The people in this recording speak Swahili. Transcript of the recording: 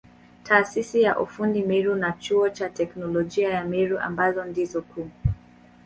Taasisi ya ufundi Meru na Chuo cha Teknolojia ya Meru ambazo ndizo kuu.